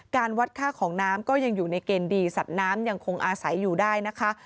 การวัดค่าของน้ำก็ยังอยู่ในเกณฑ์ดีสัตว์น้ำยังคงอาศัยอยู่ได้นะคะ